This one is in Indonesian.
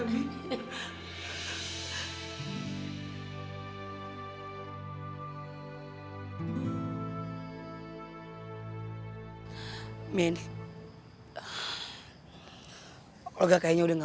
belum olga min